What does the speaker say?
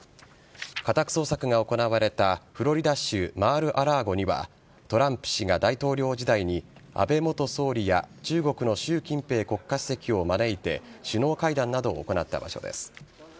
家宅捜索が行われたフロリダ州マール・アラーゴには、トランプ氏が大統領時代に、安倍元総理や中国の習近平国家主席を招いて首脳会談などを行った場所です。